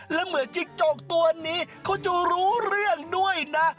และเหมือนจิ๊กจกตัวนี้เขาจะรู้เรื่องด้วยนะ